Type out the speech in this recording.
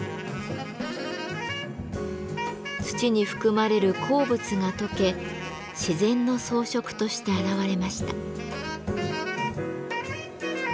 土に含まれる鉱物が溶け自然の装飾として現れました。